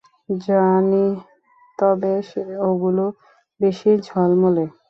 জানি, তবে ওগুলো বেশি ঝলমলে।